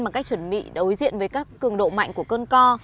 bằng cách chuẩn bị đối diện với các cường độ mạnh của cơn co